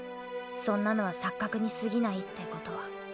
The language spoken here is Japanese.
そんなのは錯覚にすぎないってことは。